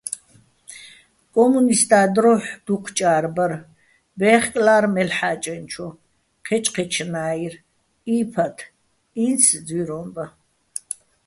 კო́მუნისტა́ დროჰ̦ დუჴ ჭა́რ ბარ, ბე́ხკლა́რ მელ'ჰ̦ა́ჭენჩო, ჴეჩჴეჩნაჲრეჼ, ი́ფათ, ინც ძვიროჼ ბა.